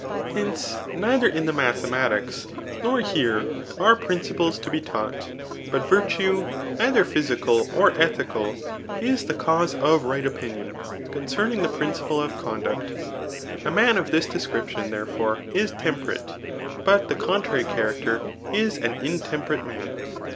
Hence, neither in the Digitized by Google CHAP. VIII. ETHICS* 269 mathematics, nor here, are principles to be taught ; but virtue, either physical or ethical, is the cause of right opi nion concerning the principle [of conduct.^ A man of this description, therefore, is temperate, but the contrary character is an intemperate man.